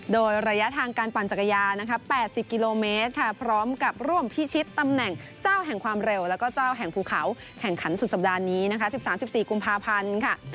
โดยระยะทางการปั่นจักรยานนะคะ๘๐กิโลเมตรค่ะพร้อมกับร่วมพิชิตตำแหน่งเจ้าแห่งความเร็วแล้วก็เจ้าแห่งภูเขาแข่งขันสุดสัปดาห์นี้นะคะ๑๓๑๔กุมภาพันธ์ค่ะ